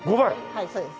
はいそうです。